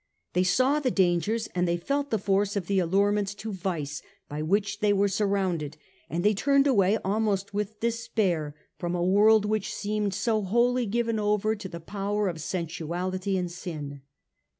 They saw the dangers and they felt the force of the allurements to vice by which they were surrounded, and they turned away almost with despair from a world which seemed so wholly given over to the power of sensuality and sin.